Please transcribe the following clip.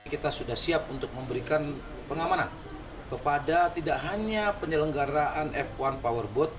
kita sudah siap untuk memberikan pengamanan kepada tidak hanya penyelenggaraan f satu powerboat